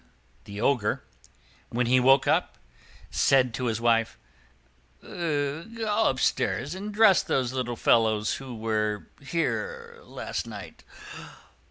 The Ogre, when he woke up, said to his wife, "Go upstairs and dress those little fellows who were here last night."